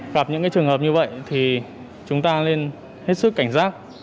gặp những trường hợp như vậy thì chúng ta nên hết sức cảnh giác